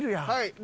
はい。